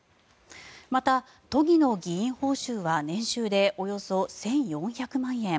また、都議の議員報酬は年収でおよそ１４００万円。